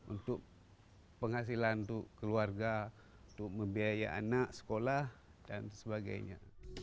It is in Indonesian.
untuk penghasilan untuk keluarga untuk membiaya anak sekolah dan sebagainya